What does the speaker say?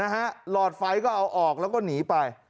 หลอดไฟก็เอาออกแล้วก็หนีไป